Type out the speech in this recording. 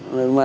mà đồng chí